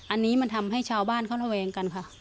อันนี้มันทำให้ชาวบ้านเขาระแวงกันค่ะ